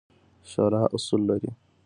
شورا اصول لري